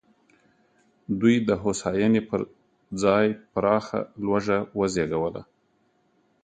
دوی د هوساینې پر ځای پراخه لوږه وزېږوله.